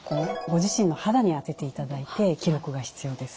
ご自身の肌に当てていただいて記録が必要です。